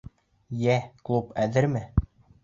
Йә, клуб әҙерме?